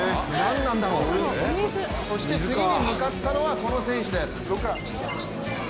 そして次に向かったのはこの選手です。